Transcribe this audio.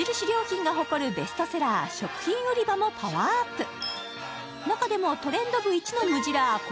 良品が誇るベストセラー食品売り場もパワーアップ中でもトレンド部いちのムジラー